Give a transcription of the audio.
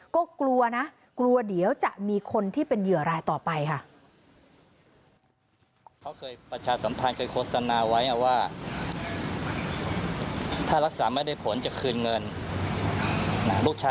ก็กลัวนะกลัวเดี๋ยวจะมีคนที่เป็นเหยื่อรายต่อไปค่ะ